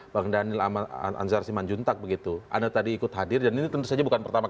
bukan sulit terungkap ya